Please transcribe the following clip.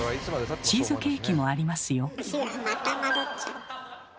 チーズケーキもありますよ。